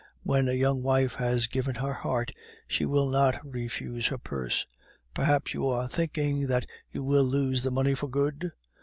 When a young wife has given her heart, she will not refuse her purse. Perhaps you are thinking that you will lose the money for good?